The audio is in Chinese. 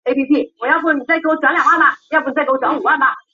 于是他回到以色列陪伴多年没有见面的家人。